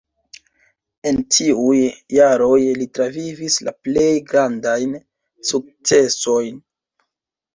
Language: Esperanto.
En tiuj jaroj li travivis la plej grandajn sukcesojn.